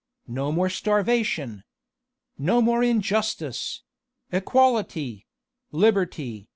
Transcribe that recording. No more starvation! No more injustice! Equality! Liberty!